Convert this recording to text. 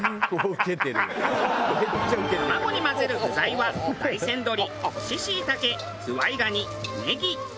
卵に混ぜる具材は大山鶏干し椎茸ズワイガニネギ。